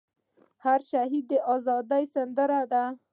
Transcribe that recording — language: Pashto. هر شهید ئې د ازادۍ سندره ده